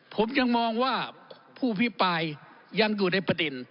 ผมยังมองว่าผู้อภิปรายยังอยู่ในประเด็น